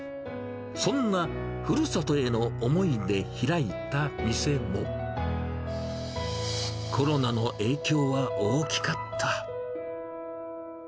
そんなふるさとへの思いで開いた店も、コロナの影響は大きかった。